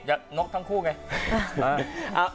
อยากนกทั้งคู่ไง